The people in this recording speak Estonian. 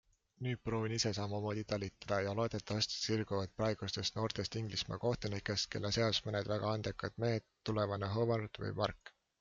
Nüüd proovin ise samamoodi talitada ja loodetavasti sirguvad praegustest noortest Inglismaa kohtunikest, kelle seas on mõned väga andekad mehed, tulevane Howard või Mark.